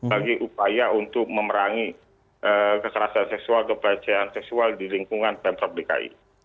bagi upaya untuk memerangi keterasan seksual kepelacian seksual di lingkungan pemprov dki